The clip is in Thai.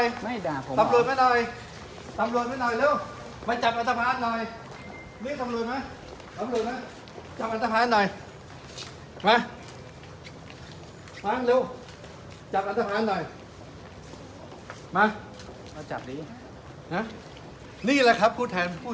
นะฮะนี่แหละครับพูดแทนผู้